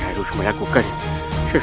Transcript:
ia harus melakukan sesuatu